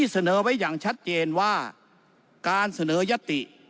เสนอไว้อย่างชัดเจนว่าการเสนอยติ